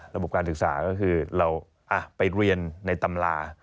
ระบบการศึกษาก็คือเราไปเรียนในตำรา